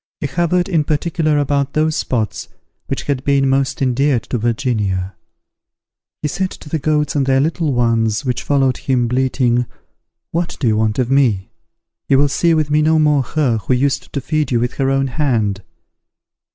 He hovered in particular about those spots which had been most endeared to Virginia. He said to the goats, and their little ones, which followed him, bleating, "What do you want of me? You will see with me no more her who used to feed you with her own hand."